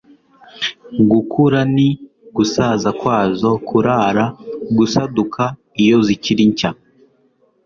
Gukura ni Gusaza kwazo Kurara Gusaduka iyo zikiri nshya